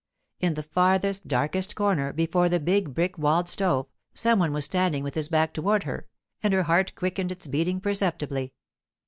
In the farthest, darkest corner, before the big, brick walled stove, some one was standing with his back turned toward her, and her heart quickened its beating perceptibly.